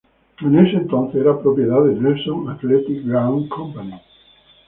En ese entonces era propiedad de "Nelson Athletic Ground Company".